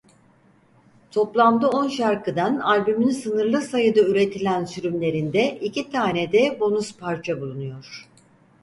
Toplamda on şarkıdan albümün sınırlı sayıda üretilen sürümlerinde iki tane de bonus parça bulunuyor.